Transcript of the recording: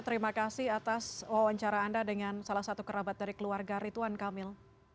terima kasih atas wawancara anda dengan salah satu kerabat dari keluarga rituan kamil